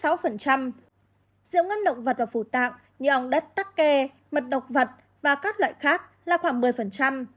rượu ngân động vật và phụ tạng như ong đất tắc kè mật độc vật và các loại khác là khoảng một mươi